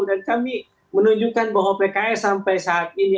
dan kami menunjukkan bahwa pks sampai saat ini